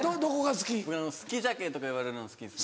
「好きじゃけ」とか言われるの好きですね。